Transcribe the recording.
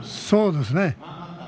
そうですね。